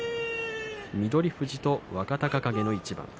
富士と若隆景の一番。